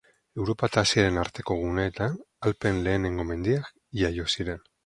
Europa eta Asiaren arteko guneetan, Alpeen lehenengo mendiak jaio ziren.